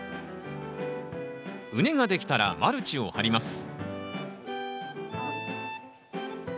畝ができたらマルチを張ります